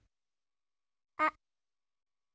あっ。